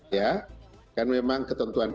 ya kan memang ketentuan